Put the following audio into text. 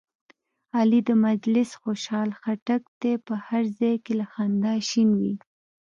علي د مجلس خوشحال خټک دی، په هر ځای کې له خندا شین وي.